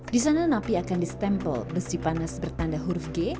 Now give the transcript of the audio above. di sana napi akan distempel besi panas bertanda huruf g